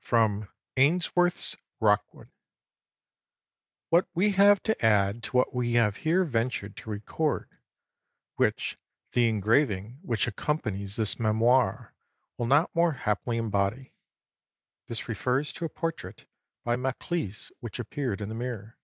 [Sidenote: Ainsworth's Rookwood.] "What have we to add to what we have here ventured to record, which the engraving which accompanies this memoir will not more happily embody? (This refers to a portrait by Maclise which appeared in The Mirror.)